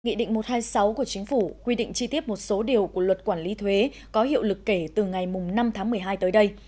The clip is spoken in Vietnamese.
nghị định một trăm hai mươi sáu của chính phủ quy định chi tiết một số điều của luật quản lý thuế có hiệu lực kể từ ngày năm tháng một mươi hai tới đây